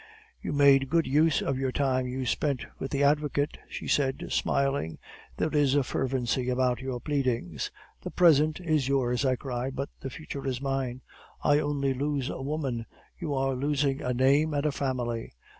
"'You made good use of the time you spent with the advocate,' she said smiling. 'There is a fervency about your pleadings.' "'The present is yours,' I cried, 'but the future is mine! I only lose a woman; you are losing a name and a family.